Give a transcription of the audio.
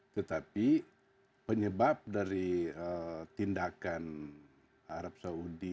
tetapi penyebab dari tindakan arab saudi